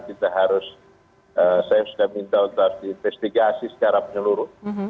kita harus saya sudah minta untuk diinvestigasi secara penyeluruh